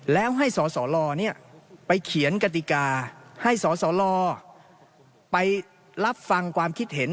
แล้วให้สสลไปเขียนกติกาให้สสลไปรับฟังความคิดเห็น